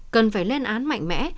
cần phải lên án mạnh mẽ